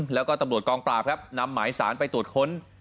แล้วก็ตำรวจกองปราบครับนำหมายสารไปตรวจค้น